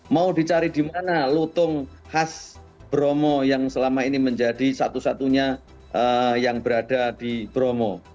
mau dicari di mana lutung khas bromo yang selama ini menjadi satu satunya yang berada di bromo